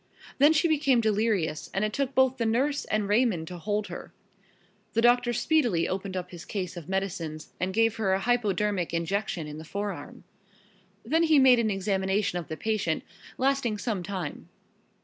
Then she became delirious and it took both the nurse and Raymond to hold her. The doctor speedily opened up his case of medicines and gave her a hypodermic injection in the forearm. Then he made an examination of the patient, lasting some time.